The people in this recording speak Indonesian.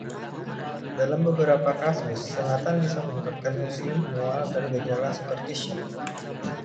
Dalam beberapa kasus, sengatan bisa menyebabkan pusing, mual, dan gejala seperti syok.